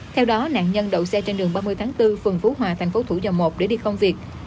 theo đó nạn nhân đậu xe trên đường ba mươi tháng bốn phường phú hòa thành phố thủ dầu một để đi công việc